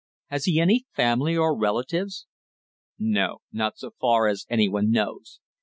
Has he any family or relatives?" "No, not so far as any one knows.